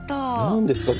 何ですか？